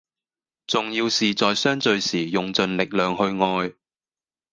重要是在相聚時用盡力量去愛